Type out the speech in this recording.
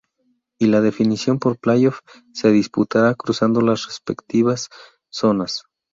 Y la definición por Play Off se disputará cruzando las respectivas zonas.